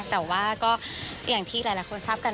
แต่ว่าก็อย่างที่หลายคนทราบกัน